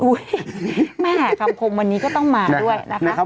อุ๊ยแม่ครับผมวันนี้ก็ต้องมาด้วยนะครับ